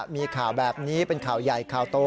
มีข่าวแบบนี้เป็นข่าวใหญ่ข่าวโต